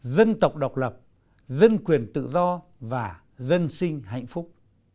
dân tộc độc lập dân quyền tự do và dân sinh hạnh phúc